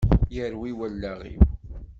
Yerwi wallaɣ-iw!